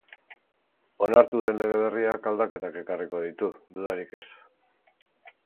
Onartu den lege berriak aldaketak ekarriko ditu, dudarik ez.